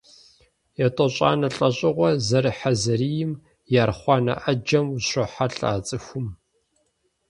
ЕтӀощӀанэ лӀэщӀыгъуэ зэрыхьзэрийм и архъуанэ Ӏэджэм ущрохьэлӀэ а цӀыхум.